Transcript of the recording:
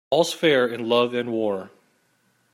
All's fair in love and war.